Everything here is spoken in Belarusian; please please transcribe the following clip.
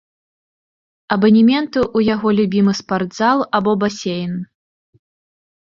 Абанементы ў яго любімы спартзал або басейн.